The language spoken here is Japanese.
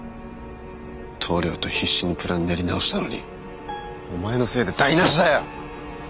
棟梁と必死にプラン練り直したのにお前のせいで台なしだよ！